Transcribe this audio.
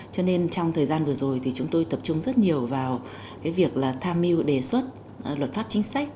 cho nên trong thời gian vừa rồi thì chúng tôi tập trung rất nhiều vào việc tham mưu đề xuất luật pháp chính sách